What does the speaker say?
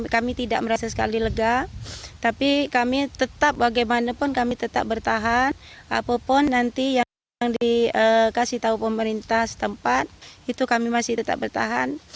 kami tidak merasa sekali lega tapi kami tetap bagaimanapun kami tetap bertahan apapun nanti yang dikasih tahu pemerintah setempat itu kami masih tetap bertahan